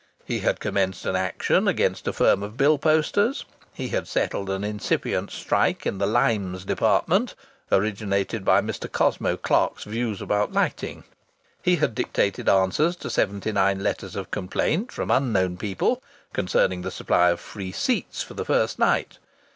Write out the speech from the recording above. He had commenced an action against a firm of bill posters. He had settled an incipient strike in the 'limes' departments, originated by Mr. Cosmo Clark's views about lighting. He had dictated answers to seventy nine letters of complaint from unknown people concerning the supply of free seats for the first night.